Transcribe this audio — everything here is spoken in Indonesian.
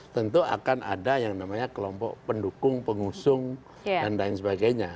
tentu akan ada yang namanya kelompok pendukung pengusung dan lain sebagainya